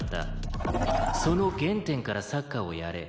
その原点からサッカーをやれ。